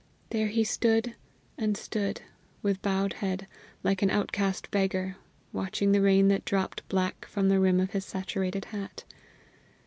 There he stood and stood, with bowed head, like an outcast beggar, watching the rain that dropped black from the rim of his saturated hat.